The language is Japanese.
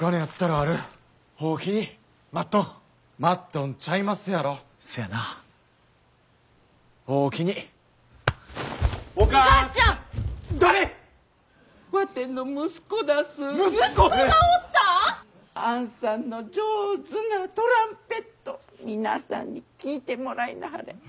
あんさんの上手なトランペット皆さんに聴いてもらいなはれ。